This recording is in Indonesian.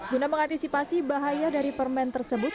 guna mengantisipasi bahaya dari permen tersebut